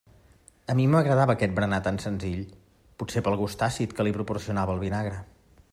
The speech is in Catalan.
A mi m'agradava aquest berenar tan senzill, potser pel gust àcid que li proporcionava el vinagre.